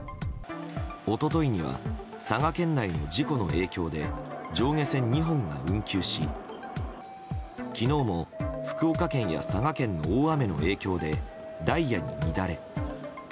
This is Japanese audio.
一昨日には佐賀県内の事故の影響で上下線２本が運休し昨日も福岡県や佐賀県の大雨の影響でダイヤに乱れ。